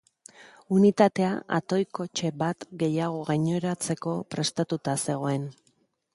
Unitatea atoi kotxe bat gehiago gaineratzeko prestatuta zegoen.